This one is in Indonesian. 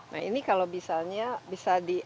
nah ini kalau bisa